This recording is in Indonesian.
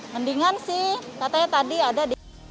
mendingan sih katanya tadi ada di